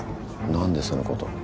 何でそのこと。